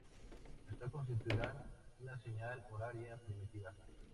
Estas constituirían una señal horaria primitiva.